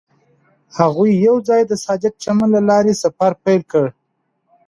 هغوی یوځای د صادق چمن له لارې سفر پیل کړ.